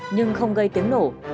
nhưng không gây tiếng nổ